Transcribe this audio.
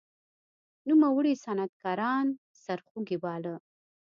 نوموړي صنعتکاران سرخوږی باله.